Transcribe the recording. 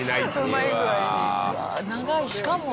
うわ長いしかも。